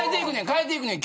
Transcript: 変えていくねん。